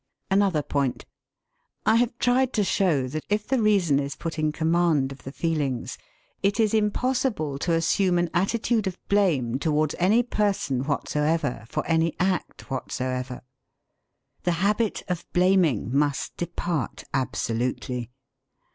Another point. I have tried to show that, if the reason is put in command of the feelings, it is impossible to assume an attitude of blame towards any person whatsoever for any act whatsoever. The habit of blaming must depart absolutely.